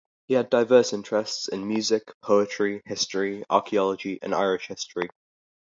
He had diverse interests in music, poetry, history, archaeology and Irish history.